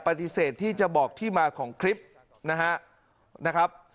ปฏิเสธที่จะบอกที่มาของคลิปนะครับ